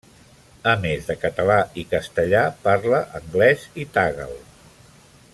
A més de català i castellà parla anglès i tagal.